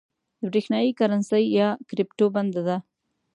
برېښنايي کرنسۍ یا کريپټو بنده ده